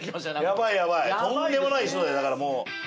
とんでもない人ねだからもう。